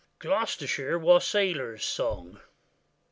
GLOUCESTERSHIRE WASSAILERS' SONG.